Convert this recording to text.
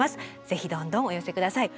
ぜひどんどんお寄せ下さい。